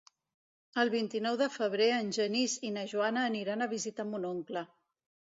El vint-i-nou de febrer en Genís i na Joana aniran a visitar mon oncle.